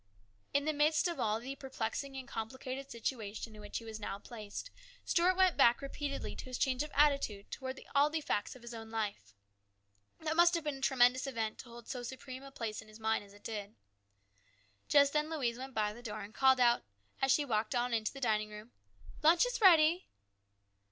In the midst of all the perplexing and complicated situation in which he was now placed, Stuart went back repeatedly to his change of attitude towards all the facts of his own life. That must have been a tremendous event to hold so supreme a place in his mind as it did. Just then Louise went by the door and called out, as she walked on into the dining room, "Lunch is ready